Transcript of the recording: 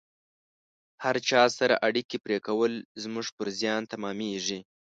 هر چا سره اړیکې پرې کول زموږ پر زیان تمامیږي